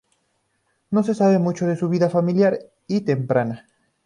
No se sabe mucho de su vida familiar y temprana.